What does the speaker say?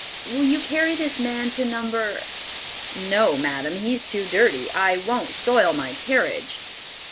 "Will you carry this man to number ?" "No, madam, he's too dirty. I won't soil my carriage."